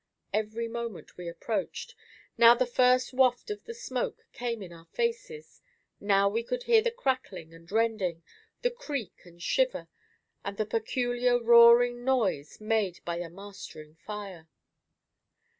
Every moment we approached. Now the first waft of the smoke came in our faces, now we could hear the crackling and rending, the creak and shiver, and the peculiar roaring noise made by a mastering fire.